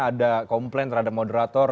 ada komplain terhadap moderator